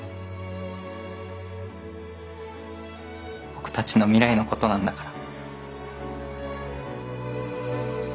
僕たちの未来のことなんだから。